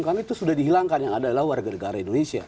karena itu sudah dihilangkan yang adalah warga negara indonesia